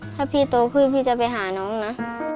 ถ้าพี่โตขึ้นพี่จะไปหาน้องนะ